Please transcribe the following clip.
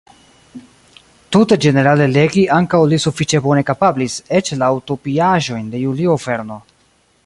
Tute ĝenerale legi ankaŭ li sufiĉe bone kapablis, eĉ la utopiaĵojn de Julio Verno.